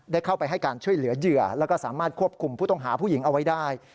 ได้เข้าไปให้การช่วยเหลือเหยื่อแล้วก็สามารถควบคุมผู้ต้องหาผู้หญิงเอาไว้ได้